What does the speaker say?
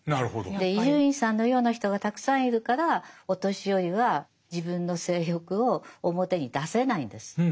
で伊集院さんのような人がたくさんいるからお年寄りは自分の性欲を表に出せないんです。